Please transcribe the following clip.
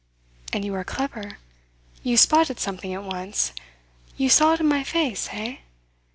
And you are clever. You spotted something at once. You saw it in my face, eh?